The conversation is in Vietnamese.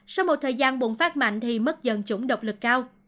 sau một thời gian bùng phát mạnh thì mất dần chủng độc lực cao